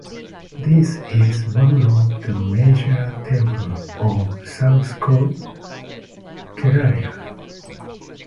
This is one of the major temple of South Kerala.